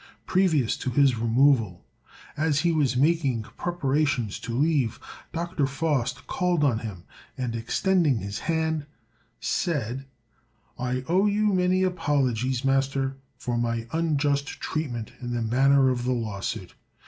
Previous to his removal, as he was making preparations to leave, Dr. Faust called on him, and, extending his hand, said, "I owe you many apologies, master, for my unjust treatment in the matter of the lawsuit.